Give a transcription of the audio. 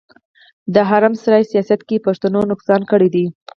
د حرم سرای سياست کې پښتنو نقصان کړی دی.